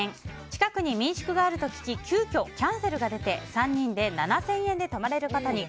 近くに民宿があると聞き急きょ、キャンセルが出て３人で７０００円で泊まれることに。